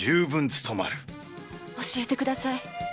教えてください。